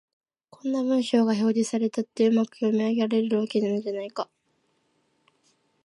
こんな文章が表示されたって、うまく読み上げられるわけがないじゃないか